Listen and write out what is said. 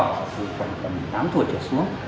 từ khoảng tám tuổi trở xuống